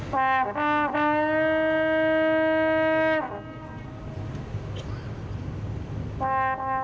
เพลงที่๑๐ทรงโปรด